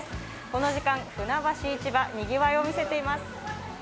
この時間、船橋市場にぎわいを見せています。